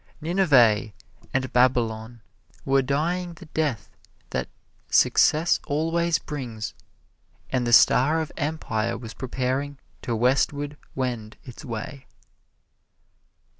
Nineveh and Babylon were dying the death that success always brings, and the star of empire was preparing to westward wend its way.